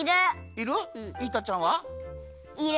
いる。